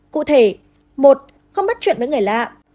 một không bắt chuyện với người lạ